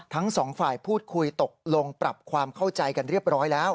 ทั้งสองฝ่ายพูดคุยตกลงปรับความเข้าใจกันเรียบร้อยแล้ว